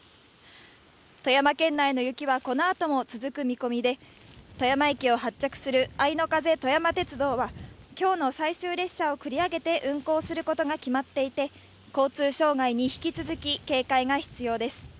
富山県内の雪はこのあとも続く見込みで、富山駅を発着するあいの風とやま鉄道は、きょうの最終列車を繰り上げて運行することが決まっていて、交通障害に引き続き警戒が必要です。